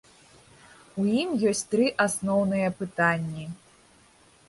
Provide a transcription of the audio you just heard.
У ім ёсць тры асноўныя пытанні.